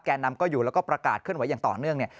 แก่นำก็อยู่แล้วก็ประกาศขึ้นไว้อย่างต่อเนื่อง